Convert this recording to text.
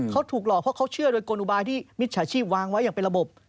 เขาถูกหลอกเพราะเขาเชื่อโดยกลอุบายที่มิจฉาชีพวางไว้อย่างเป็นระบบ